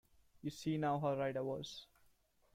You see now how right I was.